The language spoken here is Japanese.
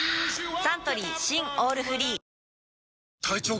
サントリー新「オールフリー」隊長